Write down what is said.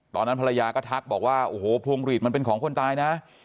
ตอนนั้นภรรยาก็ทักบอกว่าโอ้โหพวงหลีดมันเป็นของคนตายนะ